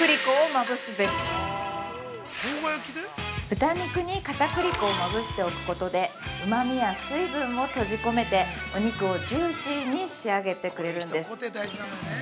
豚肉に片栗粉をまぶしておくことでうまみや水分を閉じ込めてお肉をジューシーに仕上げてくれるんです。